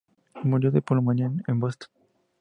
Murió de pulmonía en Boston.